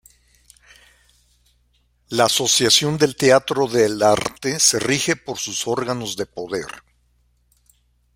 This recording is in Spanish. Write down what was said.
La Asociación de Teatro Del Arte se rige por sus órganos de poder.